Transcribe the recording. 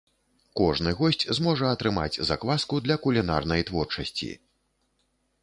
Кожны госць зможа атрымаць закваску для кулінарнай творчасці.